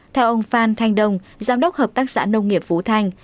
theo ông phan thanh đông giám đốc hợp tác xã nông nghiệp phủ thanh